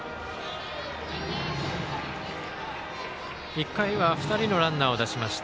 １回は２人のランナーを出しました